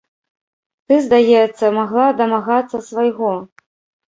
Ты, здаецца, магла дамагацца свайго.